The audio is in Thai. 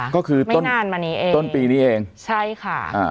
ก็คือต้นนานมานี้เองต้นปีนี้เองใช่ค่ะอ่า